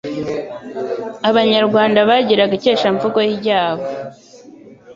Abanyarwanda bagiraga ikeshamvugo ryabo